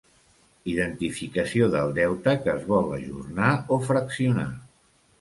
Identificació del deute que es vol ajornar o fraccionar.